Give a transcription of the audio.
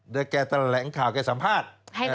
แล้วแกตระแหลงข่าวแกสัมภาษณ์